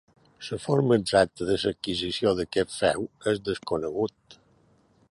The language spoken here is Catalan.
La forma exacta de l'adquisició d'aquest feu és desconegut.